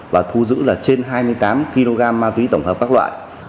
và thu giữ là trên hai mươi tám kg ma túy tổng hợp các loại